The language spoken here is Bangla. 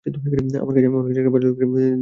আমার কাছে একটা আইডিয়া আছে, দেখ রাধে?